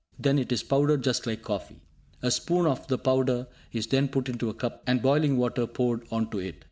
Then it is powdered just like coffee. A spoon of the powder is then put into a cup, and boiling water poured on to it.